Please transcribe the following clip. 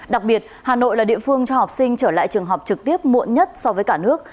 đặc biệt hà nội là địa phương cho học sinh trở lại trường học trực tiếp muộn nhất so với cả nước